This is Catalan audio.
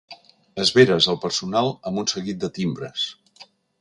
Esveres el personal amb un seguit de timbres.